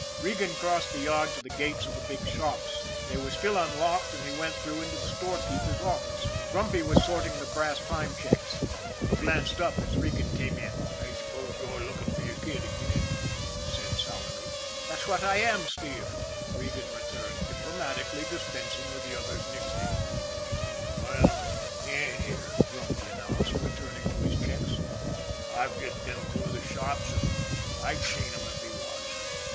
Regan crossed the yard to the gates of the big shops. They were still unlocked, and he went through into the storekeeper's office. Grumpy was sorting the brass time checks. He glanced up as Regan came in. " I suppose you're lookin' fer yer kid again," he said sourly. " That's what I am, Steve," Regan returned, diplo matically dispensing with the other's nickname. " Well, he ain't here," Grumpy announced, returning to his checks. " I've just been through the shops, an' I'd seen him if he was."